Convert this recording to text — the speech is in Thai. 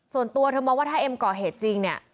ส่วนตัวเธอมองว่าถ้าเอ็มก่อเหตุจริงเนี่ย